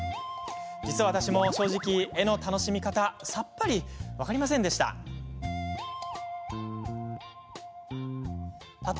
実は、私も正直絵の楽しみ方ってさっぱり分かりませんでした。